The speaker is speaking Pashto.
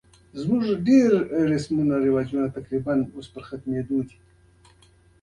د بیا پلور کچه د کیفیت ثبوت دی.